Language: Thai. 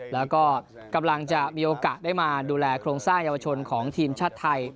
แล้วก็กำลังจะมีโอกาสได้มาดูแลโครงสร้างเยาวชนของทีมชาติไทย